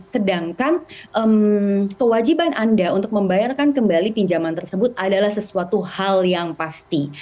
sedangkan kewajiban anda untuk membayarkan kembali pinjaman tersebut adalah sesuatu hal yang pasti